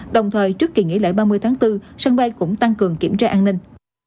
đồng thời trước kỳ nghỉ lễ ba mươi tháng bốn sân bay cũng tăng cường kiểm tra an ninh